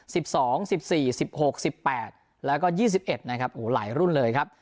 สิบสองสิบสี่สิบหกสิบแปดแล้วก็ยี่สิบเอ็ดนะครับโอ้โหหลายรุ่นเลยครับ